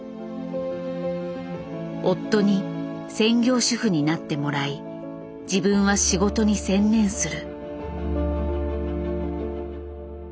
夫に専業主夫になってもらい自分は仕事に専念する。